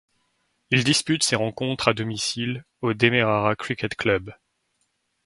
Il dispute ses rencontres à domicile au Demerara Cricket Club.